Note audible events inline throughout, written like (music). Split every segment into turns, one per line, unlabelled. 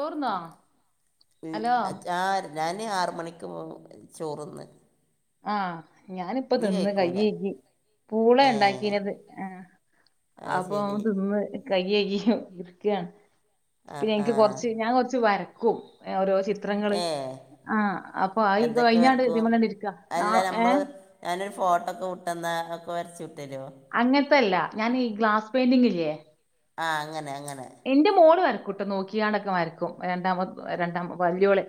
ചോർന്നോ hello
ഞാൻ ആറ് മണിക്ക് പോവും ചോറ്ന്ന്
ആഹ് ഞാനിപ്പോ തിന്ന്
കഴിക്കൂല
കൈയ്യേകി പൂളെ
ഏ
ഉണ്ടാക്കീന്നത് ആഹ്
അത്
അപ്പൊ
ശരി
തിന്ന് കൈ കൈകി ഇരിക്കാന്
ആ
പിന്നെ
ആ
എനിക്ക് കൊർച്ച് ഞാൻ കൊർച്ച് വരക്കും ഓരോ ച ചിത്രങ്ങള്
ഏ
ആ അപ്പൊ ആ
എന്തൊക്കെ
കഴിഞ്ഞാടണ്ട്
വരക്കും
ഇതിമലാണ്ട് ഇരിക്ക നാ
അല്ല
ഏഹ്
നമ്മള് ഞാനൊരു ഫോട്ടോ ഒക്കെ വിട്ടന്നാ ഒക്കെ വരച്ചു വിട്ടരോ
അങ്ങനത്തെല്ല ഞാൻ ഈ ഗ്ലാസ് പെയിന്റിംഗില്ലേ
ആഹ് അങ്ങനെ അങ്ങനെ
എന്റെ മോള് വരക്കും ട്ട നോക്കിക്കാണ്ടൊക്കെ വരക്കും രണ്ടാമ രണ്ടാ വല്ല്യോള്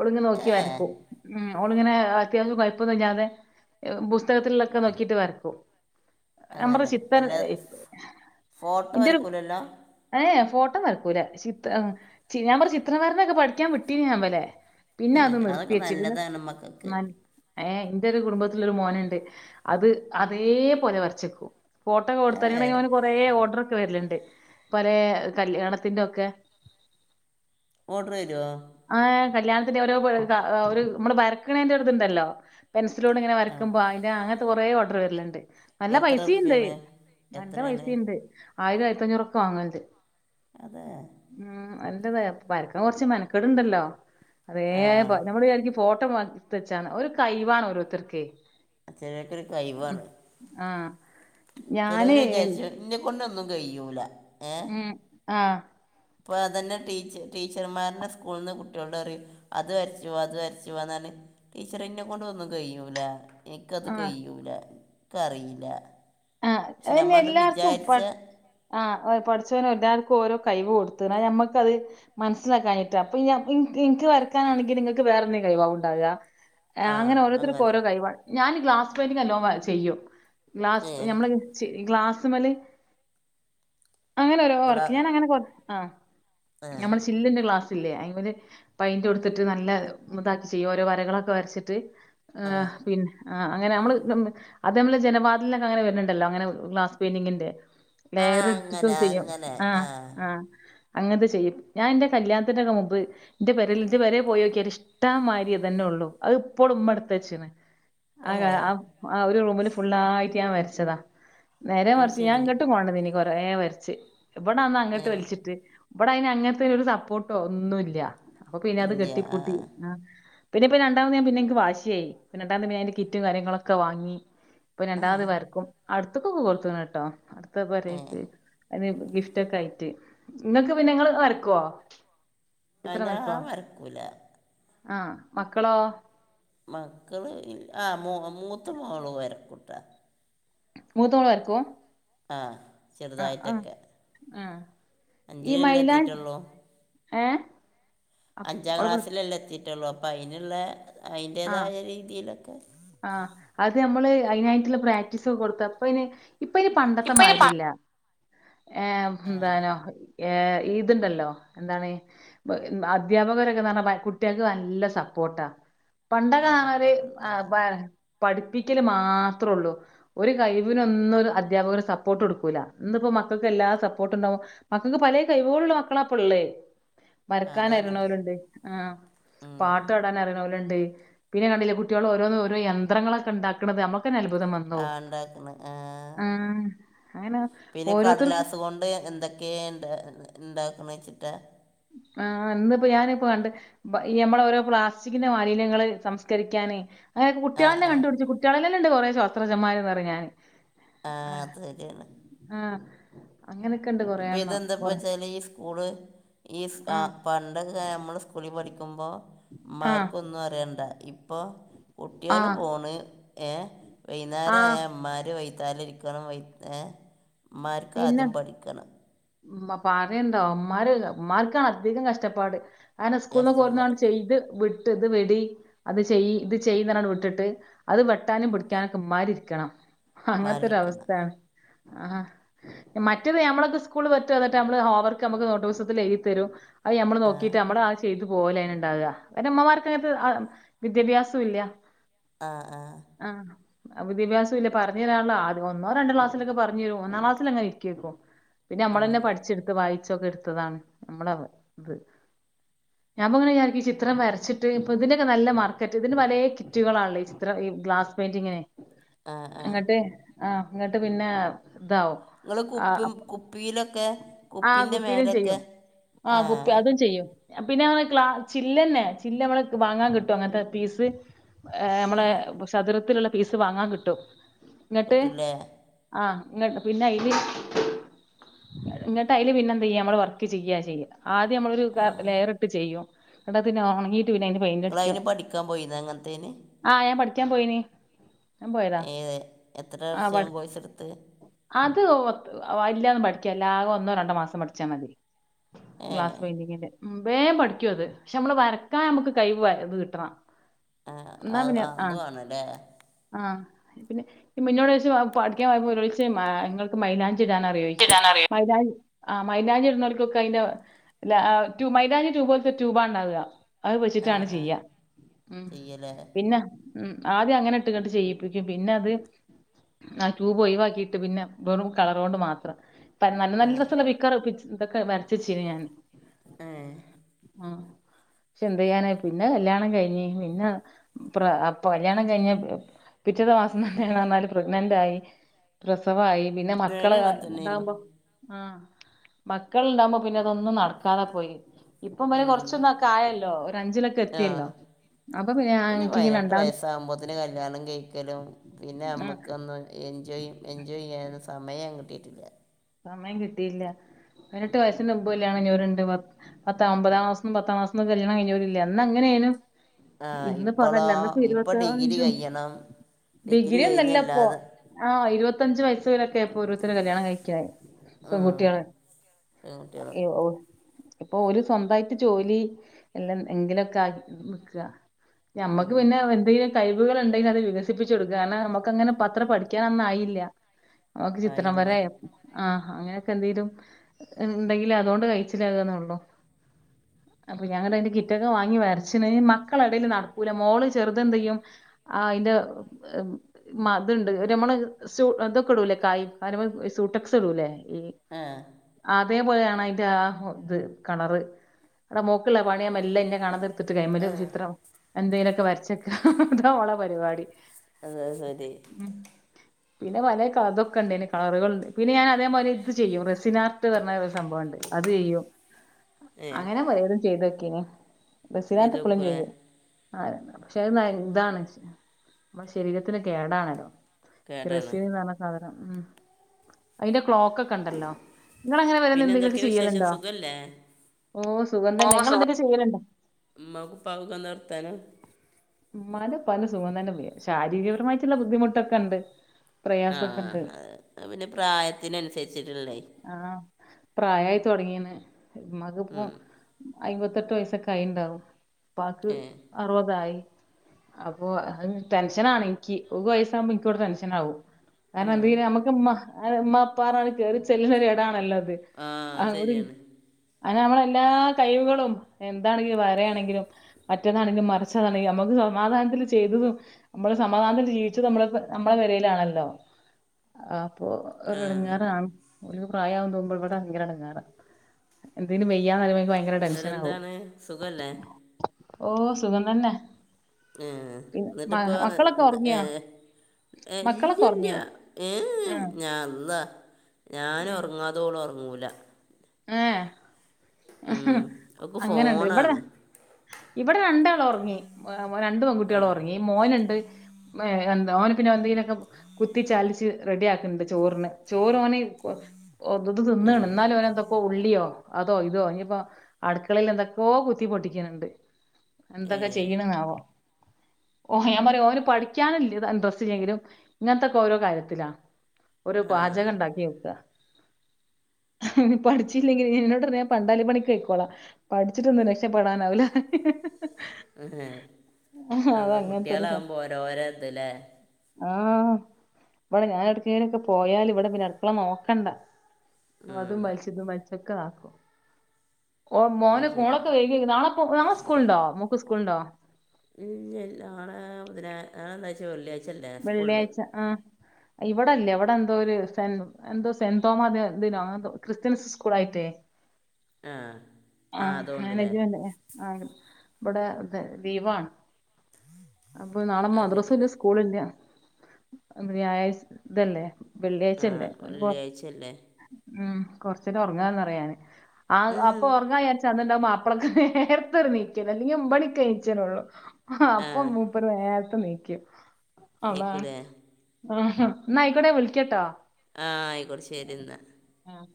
ഓൾങ്ങനെ നോക്കി
ഏ
വരക്കും മ് ഓള് ങ്ങനെ അത്യാവശ്യം കുഴപ്പം ന്നും ഇല്യാതെ പുസ്തകത്തിലൊക്കെ നോക്കിട്ട് വരക്കും നമ്മറ
അങ്ങനെ
ചിത്തൻ
അല്ല
ഇന്റെ ഒരു
ണ്ടല്ലോ
ഹേ ഫോട്ടം വരക്കൂല ചി ഞാൻ ഇവരെ ചിത്രം വരക്കെ പഠിക്കാൻ വിട്ടീന്ന് ഞാൻ ഇവരെ പിന്നെ
ഉം,
അത് നിർത്തി
അതൊക്കെ
വെച്ചു പിന്നെ
നല്ലതാണ് മക്കൾക്ക്
ഏ ഇന്റെ ഒരു കുടുംബത്തിലെ ഒരു മോനുണ്ട് അത് അതേ പോലെ വരച്ചക്കും ഫോട്ടോക്കെ
ഏ
കൊടുത്തങ്ങ ന് കൊറെ ഓർഡർ ഒക്കെ വരലണ്ട് പല കല്യാണത്തിന്റെ ഒക്കെ
ഓർഡർ വരോ
ആ കല്യാണത്തിന്റെ ഒരു ഒരു നമ്മള് വരക്കണേന്റെ ഒര് തുണ്ടല്ലോ പെൻസിലോണ്ട് ഇങ്ങനെ
ആ
വരയ്ക്കുമ്പോ അതിന്റെ അങ്ങനത്തെ കുറേ ഓർഡർ വരലുണ്ട് നല്ല
എത്ര
പൈസുണ്ട്
റുപ്യാണ്
നല്ല
എത്രയാണ്
പൈസുണ്ട് ആയിരം ആയിരത്തഞ്ഞൂറൊക്കെ വാങ്ങല്ണ്ട്
അതെ
ഉം അല്ലതേർ വരക്കാൻ കൊറച്ച് മെനക്കേട് ഇണ്ടല്ലോ അതേ
ആ
പോലെ നമ്മള് വിചാരിക്കും ഫോട്ടോ മർത്തച്ചാന്ന് ഒരു കൈവാണ് ഓരോരുത്തർക്കേ
ചെലോർക്കൊരു കയിവാണ്
ആഹ്
ചെലോര് വിചാരിച്ചു ഇന്നെ കൊണ്ടൊന്നും കൈയൂല
ഉം ആഹ്
ഇപ്പൊ അതന്നെ ടീ ടീച്ചർമാരന്നെ സ്കൂളിന്ന് കുട്ടിളോട് പറയും അത് വരച്ചുവാ അത് വരച്ചുവാന്ന റഞ്ഞ് ടീച്ചറെ ഇന്നെ കൊണ്ട് ഒന്നും കയൂല ഇക്കത്
ആ
കഴിയൂല ഇക്കറിയില്ല
ആ
പക്ഷെ നമ്മളണ്ട് വിചാരിച്ച
ആഹ് പടച്ചോന് എല്ലാവർക്കും ഓരോ കഴിവ് കൊടുത്തണ് അത് ഞമ്മക്കത് മനസ്സിലാക്കാഞ്ഞിട്ടാ ഇപ്പൊ ഇനി ഇനിക്ക് വരക്കാനാണെങ്കിൽ നിങ്ങക്ക് വേറെ എന്തെങ്കിം കഴിവാവുണ്ടാകാ ആഹ് അങ്ങനെ ഓരോത്തർക്ക് ഓരോ കഴിവാ ഞാൻ ഗ്ലാസ് പെയിന്റിങ് എല്ലോം വര ചെയ്യും ഗ്ലാസ്
ഏ
ഞമ്മള് ചി ഗ്ലാസ്മ്മല് അങ്ങനെ ഓരോ
ഗ്ലാ
വർക്ക് ഞാനങ്ങനെ കൊ ആഹ്
ആ
നമ്മള് ചില്ലിന്റെ ഗ്ലാസ് ഇല്ലേ അയിമ്മില് പൈന്റ് കൊടുത്തിട്ട് നല്ല ഇതാക്കി ചെയ്യും ഓരോ വരകളൊക്കെ വരച്ചിട്ട്
ആ
ആഹ് പിന്നെ ആഹ് അങ്ങനെ നമ്മള് ഹ്മ് അത് ഞമ്മള് ജനവാതിലിനൊ ക്കെഅങ്ങനെ വരുന്നുണ്ടല്ലോ അങ്ങനെ ഗ്ലാസ് പെയിൻ്റിംഗിന്റെ
ആ
ലയറിട്ടിട്ടും
അങ്ങനെ
ചെയ്യും
അങ്ങനെ ആ
ആഹ് ആഹ് അങ്ങനത്തെ ചെയ്യും ഞാൻ എന്റെ കല്യാണത്തിൻ്റെ ഒക്കെ മുമ്പ് ഇന്റെ പെരേൽ ഇത് വരെ പോയിനോക്കിയേല് ഇഷ്ടം മാരിതെന്നെ ഉള്ളു അത് ഇപ്പൊളും ഇമ്മട്ത്തച്ച്ണ്
ഏ
ആഹ് കാ ആ ആ ഒരു റൂമില് ഫുള്ളായിട്ട് ഞാന് വരച്ചതാ നേരെ
അത്
മർച്ച് ഞാൻ
ശരി
ഇങ്ങട്ടും കൊണ്ടന്നീനി കൊറേ വര്ച്ച് ഇബടന്ന്
ഏ
അങ്ങട്ട് വല്ച്ചിട്ട് ഇബടെ അയിന് അങ്ങൻത്തെ ഒരു സപ്പോട്ടോ ഒന്നുല്ല അപ്പൊ പിന്നെ അത്
ഇല്ല ആ
കെട്ടിപ്പൂട്ടി ആഹ് പിന്നെപ്പ് രണ്ടാമത് പിന്നെ എന്ക്ക് വാശി ആയി പിന്നെ രണ്ടാമത് വേം ഞാൻ കിറ്റും കാര്യങ്ങളാക്കെ വാങ്ങി
ആ
ഞാത് വരക്കും അട്ത്തുക്കൊക്കെ കൊട്ത്തിണട്ടോ അടുത്ത്
ഏ
പെരേക്ക് അയിന് ഗിഫ് ഗിഫ്റ്റൊക്കെ ആയിട്ട് ഇങ്ങക്ക് പിന്നെ ഇങ്ങള് വരക്കോ? ചിത്രം
അതിനാ
വരക്കോ
വരക്കൂല
ആഹ് മക്കളോ
മക്കള് ഇ ഹ് ആഹ് മു മൂത്ത മോള് വരക്കുട്ടാ
മൂത്തമോള് വരക്കും
ആഹ് ചെറുതായിട്ടൊക്കെ
അഹ്
അഞ്ചിലെല്ലേ എത്തിട്ടുള്ളൂ
ഏഹ് അപ്
അഞ്ചാം
ഓള് വിളി
ക്ലാസ്സിലല്ലെ എത്തി ട്ടൊള്ളൂ അപ്പം അയിന്ള്ളേ
ആഹ്
അയിൻ്റെതായ രീതിയിലൊക്കെ
ആഹ് അത് നമ്മള് അയിനായിട്ടുള്ള പ്രാക്റ്റീസൊക്കെ കൊടുത്ത ഇപ്പൊ അയിന് ഇപ്പയ്‌ന് പണ്ടത്തെ
ഇപ്പൊ ഇനി പ
മാരില്ല ഏ
ആ
എന്താനോ ഏഹ് ഈ ത് ഇണ്ടല്ലോ എന്താണ് ബ് ഹ് അദ്ധ്യാപകരൊക്കെന്ന് പറഞ്ഞാ കുട്ട്യൾക്ക് നല്ലെ സപ്പോട്ടാ
ആ
പണ്ടൊക്കെ കാണല്
സപ്പോർട്ട്
ആഹ്
അതാണ്
അ പഠിപ്പിക്കല് മാത്രെള്ളൂ ഒരു കയ്‌വിനൊന്നും ഒരു അധ്യാപകര് സപ്പോട്ട് കൊട്ക്കൂല ഇന്നിപ്പോ മക്കൾക്ക് എല്ലാ സപ്പോട്ട്ണ്ടാവുമ്പോ മക്കക്ക് പലേ കൈവോളുള്ള മക്കളാ ഇപ്പള്ളെ വരക്കാൻ
അതാണ്
അറിണോര്ണ്ട് ആഹ്
ഉം
പാട്ടടാൻ അറിണോല്ണ്ട് പിന്നെ കണ്ടില്ലേ കുട്ടിയോള്‌ ഓരോന്ന് ഓരോ യന്ത്രങ്ങളൊക്കെ ഇണ്ടാക്കണത് ഞമ്മക്കെന്നെ അത്ഭുതം വന്
ആഹ് ഇണ്ടാക്ക്ണ് ആഹ്
അങ്ങനെ
പിന്നെ
ഓരോരുത്തർക്കും
കടലാസ് കൊണ്ട് എന്തെ ക്കേ ഇണ്ടാ ഇണ്ടാക്കണ് വച്ചിട്ടാ
ആഹ് ഇന്ന് പ്പോ ഞാനിപ്പ കണ്ട് ബ ഈ ഞമ്മള് ഓരോ പ്ലാസ്റ്റിക്കിന്റെ മാലിന്യങ്ങള് സംസ്കരിക്കാന് അങ്ങെനെ
ആ
കുട്ട്യളെന്നെ
ആ
കണ്ട്പിടിച്ച് കുട്ട്യോളെന്നലെണ്ട് കൊറെ ശ്വാസ്ത്രജ്ഞൻമാര് ന്ന്പറയും ഞാന്
ആഹ് അത് ര്യാണ്
ആഹ് അങ്ങനൊക്കെണ്ട് കൊറെ എണ്ണം കൊറ
ഓള് ഈ സ് കാ പണ്ടൊക്കെ നമ്മള് സ്കൂളില് പഠിക്കുമ്പോ
ആഹ്
ഇമ്മാർക്കൊന്നും അറിയണ്ട ഇ പ്പോ കുട്ടികൾ
ആഹ്
പോന് ഏഹ് വൈന്നാരായ
ആഹ്
ഇമ്മാര് വൈ ത്താലെ ഇരിക്കണം വൈ ഏഹ് ഇമ്മാർക്ക് ആദ്യം പഠിക്കണം.
മ് പറയണ്ടോ ഇമ്മാര് ഇമ്മാർക്കാണ് അധികം കഷ്ട്ടപ്പാട് അങ്ങനെ സ്കൂള്ന്നൊക്കെ
കഷ്ടപ്പെട്
കൊട്ന്നാണ്ട് ചെയ്ത് വിട്ട് ത് വിടി അത് ചെയ്യ് ഇത് ചെയ്യ്ന്ന്ർഞ്ഞ് വിട്ടിട്ട് അത് വെട്ടാനും പിടിക്ക്യാനും ഇമ്മാർ ഇര്ക്കണം അങ്ങത്തൊരു
ഉമ്മമാരിരിക്കണം
അവസ്ഥയാണ് ആഹ് മറ്റേത് ഞമ്മളൊക്കെ സ്കൂള് പറ്റും നമ്മളട്ട് ഹോംവർക്ക് നമ്ക്ക് നോട്ട് പുസ്തകത്തിലെഴുതി തരും അയ് നമ്മള്
ആ
നോക്കീട്ട് നമ്മടെ ആ ചെ ചെയ്തു പോവെലേനി ഇണ്ടാവ അയ്ന് ഇമ്മമാർക്ക് അങ്ങനത്തെ ആഹ് വിദ്യാഭ്യാസുല്യാ
ആ ആഹ്
ആഹ വിദ്യാഭ്യാസ ഇല്ല പർഞ്ഞൊരാള ആം ഒന്നോ രണ്ട് ക്ലാസ്ല്ലൊക്കെ പറഞ്ഞുരും ഒന്നാം ക്ലാസ് ലെങ്ങെ ഇരിക്കേക്കും പിന്നെ നമ്മളെന്നെ
ഉം.
പഠിച്ച്ട്ത്ത് വായിച്ചോക്കെ എട് ത്തതാണ് നമ്മളെ പ ഇത് ഞാൻ ഇപ്പൊങ്ങനെ വിചാരിക്കും ഈ ചിത്രം വരച്ചിട്ട് ഇപ്പ ഇതിന്റെക്കെ നല്ല മാർക്കറ്റ് ഇതിന് പലേ കിറ്റ്കളാണ്ല്ല ഈ ചിത്ര ഈ ഗ്ലാസ് ങ്ങനെ
ആ ആ
അങ്ങട്ട് ആഹ് അങ്ങട്ട് പിന്നെ ഇതാവും.
നിങ്ങള് കുപ്പി
ആഹ്
കുപ്പിയിലൊക്കെ
ആ
കുപ്പീന്റെ മേലൊക്കെ ആഹ്
ചെയ്യോ? പിന്നെ അങ്ങനെ ഗ്ലാ ചില്ലന്നെ ചില്ല് നമ്മള് വാങ്ങാൻ കിട്ടും അങ്ങനത്തെ പീസ് നമ്മളെ ചതുരത്തിലുള്ള പീസ് വാങ്ങാൻ കിട്ടും. എന്നട്ട്
കിട്ടൂലേ
ആഹ് എന്നട്ട് പിന്നെ അയില് എന്നട്ട് അയില് പിന്നെന്ത ചെയ്യാ നമ്മള് വർക്ക് ചെയ്യാ ചെയ്യ. ആദ്യം നമ്മളൊരു ലെയറിട്ട് ചെയ്യും. ഇവടെ പിന്നെ ഒണങ്ങീട്ടൂല്ലായിനു.
നിങ്ങളയിന് പഠിക്കാൻ പോയിന്ന അങ്ങനത്തേന്?
ആഹ് ഞാൻ പഠിക്കാൻ പോയിന് ഞാൻ പോയതാ
ഏത്? എത്ര
ആ
വർഷം
പഠി
കോഴ്സെടുത്ത്?
അത് വല്ല്യൊന്നും പഠിക്കാൻല്ല. ആകെ ഒന്നോ രണ്ടോ മാസം പഠിച്ചാൽ മതി.
ഏ
ഗ്ലാസ് പെയ്ന്റിങ്ങിൻ്റെ ഉം വേം പഠിക്കു അത്. പക്ഷെ നമ്മള് വരക്കാൻ നമുക്ക് കഴിവ് വേ കഴിവ് കിട്ടണം.
ആ
എന്നാ
അത്
പിന്നെ ആഹ്
അതും ആണല്ലേ
ആഹ് പിന്നെ മുന്നോട് വെ പഠിക്കാൻപൊയ്പ ഒരാചോയ്ച്ച് ങ്ങൾക്ക് മൈലാഞ്ചി ഇടാനറിയോ ചോയ്ച്ച്.
ഇടാൻ അറിയാം
മൈലാഞ്ചി ആഹ് മൈലാഞ്ചി ഇടുന്നോർക്കൊക്കെ അതിന്റെ ഇല്ല മൈലാഞ്ചി ട്യൂബോലത്തെ ട്യൂബ്ണ്ടാവുക. അത്
ആ
വെച്ചിട്ടാണ്
ആ
ചെയ്യ ഉം
ചെയ്യലേ
പിന്നെ ഉം ആദ്യം അങ്ങനെ ഇട്ട്ങ്ങട്ട് ചെയ്യിപ്പിക്കും പിന്നെ അത് ആഹ് ട്യൂബ് ഒഴിവാക്കിയിട്ട് പിന്നെ വെറും കളറ്കൊണ്ട് മാത്രം. നല്ല
ആ
നല്ല രസൊള്ള (unintelligible) ഇതൊക്കെ വരച്ച് വച്ചീനി ഞാൻ.
ഏഹ്
ആഹ് പക്ഷെ എന്തയ്യാന പിന്നെ കല്യാണം കഴിഞ്ഞ് പിന്ന പ്ര കല്യാണം കഴിഞ്ഞ പിറ്റേത്ത മാസം തന്നെ (unintelligible) ന്നാല് പ്രഗ്നന്റായി. പ്രസവായി പിന്നെ മക്കള്
ഞാനും അങ്ങനെ തന്നെയായിരുന്നു
ഇതാകുമ്പോ ആഹ് മക്കള്ണ്ടാകുമ്പ പിന്നെ അതൊന്നും നടക്കാതെ പോയി. ഇപ്പം വല
ഉം
കുറച്ചൊന്നൊക്കെ ആയല്ലോ ഒരു അഞ്ചിലൊക്കെ
ആ
എത്തിയല്ലോ. അപ്പ പിന്നെ ആ
പിന്നെ
എനിക്കിങ്ങനെ
പയിനെട്ട്
രണ്ടാമത്
വയസ്സാകുമ്പോഴത്തന് കല്ല്യാണം കഴിക്കലും പിന്നെ
ആഹ്
നമ്മുക്കൊന്ന് എൻജോയി എൻജോയി ചെയ്യാനൊന്നും സമയങ്ങട്ട് ഇല്ല.
സമയം കിട്ടിയില്ല. പതിനെട്ട് വയസ്സിന് മുമ്പ് കല്യാണം കഴിഞോരുണ്ട് പർഞ് പത്താ ഒമ്പതാം ക്ലാസും പത്താം ക്ലാസും ഒന്നും കല്ല്യാണം കഴിഞ്ഞവരില്ല. അന്നങ്ങനേയിനു.
ആ ഇപ്പോളോ
ഇന്ന്പ്പതല്ല ഇന്നിപ്പ
ഇപ്പോൾ ഡിഗ്രി
ഇരുപത്തഞ്ചും
കഴിയണം
ഡിഗ്രി ഒന്നല്ല ഇപ്പോ ആഹ് ഇരുപത്തഞ്ച് വയസിലൊക്കെ ഇപ്പോ ഓരോരുത്തര് കല്യാണം കഴിക്കണെ.
ഉം
പെൺകുട്ടിയള്
പെൺകുട്ടികൾ
എ ഓ ഇപ്പൊ ഓര് സ്വന്തായിട്ട് ജോലി എല്ലാം എന്തലും ആക്കി കൊടുക്കാ ഞമ്മക്ക്
ഉം
പിന്നെ എന്തെയ്യാൻ കഴിവുകള്ണ്ടെങ്കി അത് വികസിപ്പിച്ചു കൊടുക്ക. കാരണം നമ്മക്ക് അങ്ങനെ അത്ര പഠിക്കാനൊന്നും ആയില്ല ഓക്ക് ചിത്രം
ആയില്ല
വരേം ആഹ് അങ്ങനെയൊക്കെ എന്തെലും ഉണ്ടെങ്കില് അതോണ്ട് കയിച്ചിലാകാന്നൊള്ളൂ. അപ്പൊ ഞാൻ അയ്‌ന്റെ കിറ്റൊക്കെ വാങ്ങി വരച്ചിന്. മക്കള എടയില് നടക്കൂല മോള് ചെറുതന്തെയ്യും. ആഹ് അയിന്റെ മ ത്ണ്ട് മ്മള് സൂ ഇതൊക്കെ ഇടൂലേ കായി (unintelligible) ക്യൂട്ടെക്സ്ടൂലെ
ആഹ്
അതേപോലെയാണ് അതിന്റെ ആ ഇത് കളറ് ഇവിടെ മോക്കിള്ള പണിയ മെല്ല ഇന്നെ കാണാതെ ത്തിട്ട് കഴിയ്മല്
ആ
ചിത്രം എന്തെലൊക്കെ വരച്ചേക്ക അതാ ഓളെ പരിപാടി.
അത് ശരി
ഉം, പിന്നെ വലെ കതൊക്കെ ഉണ്ടയ്നി കളറുകൾണ്ട് പിന്നെ ഞാൻ അതേപോലെ ഇത് ചെയ്യും റെസിനാ പറഞ്ഞ ഒരു സംഭവണ്ട് അത് ചയ്യും
ഏ
അങ്ങനെ പലെതും ചെയ്തോക്കീനി. റസീനാട്ട്
ചെയ്ത്
ഇപ്പളും
നോക്കൂലേ
ചെയ്യും. ആ പക്ഷെ ഇതാണ് നമ്മുടെ ശരീരത്തിന് കേടാണല്ലോ.
കേടാണ്
റസീൻ ന്ന് പറഞ്ഞ സാദനം. അയിന്റെ ക്ലോക്കൊക്കെ ഇണ്ടല്ലോ ഇങ്ങൾ അങ്ങനെ വല്ലതും
പിന്നെ
എന്തെങ്കിലൊക്കെ
എന്തൊക്കെയാ വിശേഷം
ചെയ്യലുണ്ടോ.
സുഖല്ലേ
ഓ സുഖം തന്നെ ഇങ്ങെളെന്തൊക്കെ ചെയ്യല്. ഇണ്ടോ
ഇമ്മക്കും ഉപ്പാക്കും ഒക്കെ എന്താ വർത്താനം
ഉമ്മാന്റെ ഉപ്പാന്റെ സുഖം തന്നെ ശാരീരികപരമായിട്ടുള്ള ബുദ്ധിമുട്ടൊക്കെ ഉണ്ട്. പ്രയാസമൊക്കെ
ആഹ്
ഉണ്ട്
അതെ പിന്നെ പ്രായത്തിനനുസരിച്ചിട്ടുള്ളയ്
ആ പ്രായായി തൊടങ്ങിനു ഇമ്മക്കിപ്പോ
ഉം
അയിമ്പത്തെട്ട് വയസ്സൊക്കെ ആയിണ്ടാവും ഉപ്പാക്ക്
ഏ
അറുപതായി. അപ്പൊ ടെൻഷനാണ്ക്കി ഒക്ക് വയസ്സാകുമ്പോ എനിക്ക് ഇവ്ടെ ടെൻഷൻ ആവും
ആ
കാരണം എന്തങ്കിലും നമ്മക്ക് ഉമ്മ ഉപ്പാ പറഞകാണ്ട്‌ കേറി ചെല്ല്ണെ ഒരു എടാണല്ലോ അത്.
ആ ശരിയാണ്
(unintelligible) അങ്ങനെ നമ്മളെ എല്ലാ കഴിവുകളും എന്താണെങ്കിലും വരയാണെങ്കിലും മറ്റതാണെങ്കിലും മറിച്ചതാ നമുക്ക് സമാധാനത്തിൽ ചെയ്തതു നമ്മള് സമാധാനത്തിൽ ജീവിച്ചത് നമ്മ നമ്മളെ പെരേലാണല്ലോ. ആ അപ്പൊ ഒരു
ആ
എടങ്ങാറാണ്. ഒരു പ്രായവും തോറും ഇവിടെ ഭയങ്കര എടങ്ങാറ എന്തേലും വെയ്യ പറയുബോ ഇനിക്ക് ഭയ ഭയങ്കര
എന്നിട്ട്
ടെൻഷൻ ആവും.
എന്താണ് സുഖല്ലേ
ഓ സുഖം തന്നെ.
ഏഹ്
പിന്നെ
ഇന്നിട്ട്
മ
ഇപ്പൊ
മക്കളൊക്കെ
എ
ഒറങ്ങിയോ
ഏഹ്
മക്കളൊക്കെ
ഇല്ലില്ല.
ഒറങ്ങിയോ
ഏഏ
ആഹ്
ഞൻ അല്ലാഹ്
ഉം
ഞാനൊറങ്ങാത്ത ഓള് ഒറങ്ങൂല
ഏഹ്
ഉം ഒക് ഫോണാണ്.
ഇബടെ രണ്ടാളും ഒറങ്ങി രണ്ട് പെൺകുട്ടികളും
ആ
ഒറങ്ങി മോനുണ്ട്. ഏഹ് എന്താ ഓന് പിന്നെ എന്തെങ്കിലൊക്കെ കുത്തി ചാലിച്ച് റെഡിഅക്ക്ന്നുണ്ട് ചോറിന് ചോറ് ഓന് ഇത്
ആ
തിന്നണ് ഇന്നാലും ഓന് എന്തോ ഇപ്പേ ഉള്ളിയോ അതോ ഇതോ ഇനിയിപ്പോ അടുക്കളിൽ എന്തൊക്കൊ കുത്തി പൊട്ടിക്ക്ണ്ട്.
ഏ
എന്തൊക്കെ ചെയ്യണന്നാവോ ഓ ഞാൻ പറയാ ഓന് പഠിക്കാന വല്യ ഇന്റെരെസ്റ്റ്‌ ഇല്ലെങ്കിലും ഇങ്ങനത്തൊക്കെ ഓരോ കാര്യത്തിലാ. ഓരൊ
ആ
പാചകം ഉണ്ടാക്കി നോക്ക പഠിച്ചില്ലെങ്കിൽ എന്നോട് പറയാ ഞാൻ പണ്ടാലി പണിക്ക് പൊയിക്കോളാം. പഠിച്ചിട്ടൊന്നും രക്ഷപ്പെടാനാവില്ല. അത്
അള്ളാ
അങ്ങനത്തെ
കുട്ടികളകുമ്പോ ഓരോര ഇത് ല്ലേ
ആഹ്, ഇവിടെ ഞാൻ എവിടേക്കേലും ഒക്കെ പോയാല് ഇവിടെ പിന്നെ അടുക്കള നോക്കണ്ട. അതും വലിച്ചു ഇതും വലിച്ചൊക്കെ ആക്കും, ഓ
അത്
മോന്
ശരി
മോള് വെ നാളെപൊകാ നാളെ സ്കൂളുണ്ടോ മോൾക്ക് സ്കൂള് ഇണ്ടോ?
ഇല്ലേയ് നാളേ ബുധനാ നാളെന്താഴ്ച്ചെ വെള്ളിയാഴ്
വെള്ളിയാഴ്ച ആഹ് ഇവിടെ ഇല്ലേ ഇവിടെ എന്തോര് സെന്റ് എന്തോ സെന്റ് തോമ ദിനോ ക്രിസ്ത്യൻസ് സ്കൂളായിട്ടേ
ആഹ്
ആഹ് മാനേജ്മെന്റ്ല ആ ഇവടെ ലീവാണ് അപ്പം നാളെ
അത് ശരി
മദ്രസുല്ല സ്കൂ സ്കൂളില്ല വ്യാഴാഴ് ഇതല്ലേ
ആ
വെള്ളിയാഴ്ചല്ലേ അത് കൊ
വെള്ളിയാഴ്ച അല്ലേ
ഉം കൊറച്ചൊക്കെ ഒറങ്ങാന്നറിയാ ഞാന് ആഹ് അ
ഉം,
ഒറങ്ങാചാരിച്ചന്ന്ണ്ടാകും മാപ്പളക്ക് നേർത്തൊരു നീക്കല് അല്ലെങ്കി ഒമ്പണിക്കെ നീച്ചലൊള്ളൂ. ആഹ്
ആ
അപ്പം മൂപ്പര് നേർത്തെ നീക്കും അതാണ്
നീക്കൂലേ
ആഹ് ന്നായ്കോട്ടെ വിളിക്കട്ടോ
ആഹ് ആയിക്കോട്ടെ ശരിന്നാ
ആഹ്